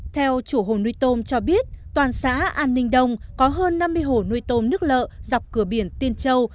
theo chủ hồ nuôi tôm cho biết toàn xã an ninh đông có hơn năm mươi hồ nuôi tôm nước lợ dọc cửa biển tiên châu